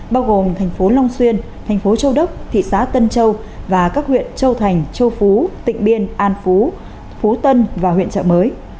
bao gồm thành phố long xuyên thành phố châu đốc thị xã tân châu và các huyện châu thành châu phú tỉnh biên an phú phú tân và huyện trợ mới